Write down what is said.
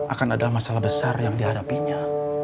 akan ada masalah besar yang dihadapinya